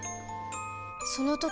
その時